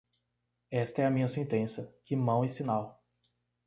Esta é a minha sentença, que mão e sinal.